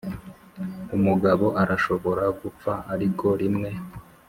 umugabo arashobora gupfa ariko rimwe.